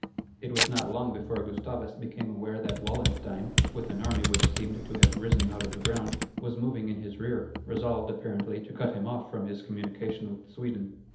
It was not long before Gustavus became aware that Wallenstein, with an army which seemed to have risen out of the ground, was moving in his rear, resolved, apparently, to cut him off from his communication with Sweden.